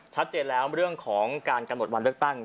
ชัดเจนแล้วเรื่องของการกำหนดวันเลือกตั้ง